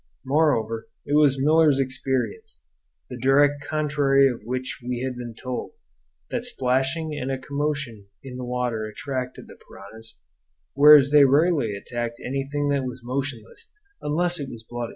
Moreover, it was Miller's experience, the direct contrary of which we had been told, that splashing and a commotion in the water attracted the piranhas, whereas they rarely attacked anything that was motionless unless it was bloody.